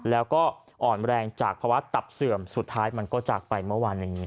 แล้วก็อ่อนแรงจากภาวะตับเสื่อมสุดท้ายมันก็จากไปเมื่อวานอย่างนี้